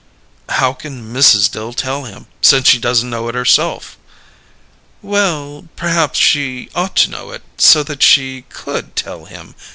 "How can Mrs. Dill tell him, since she doesn't know it herself?" "Well perhaps she ought to know it, so that she could tell him.